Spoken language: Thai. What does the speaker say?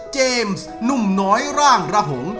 เจมส์นุ่มน้อยร่างระหง